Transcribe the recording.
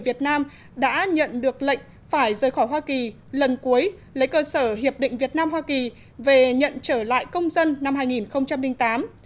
việt nam đã nhận được lệnh phải rời khỏi hoa kỳ lần cuối lấy cơ sở hiệp định việt nam hoa kỳ về nhận trở lại công dân năm hai nghìn tám